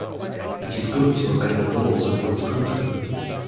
["It is good to obey the laws of one's country."